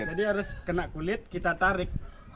jadi harus kena kulit kita tarik